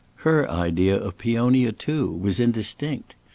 Her idea of Peonia, too, was indistinct.